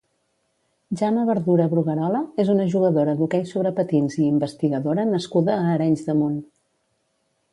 Jana Verdura Brugarola és una jugadora d'hoquei sobre patins i investigadora nascuda a Arenys de Munt.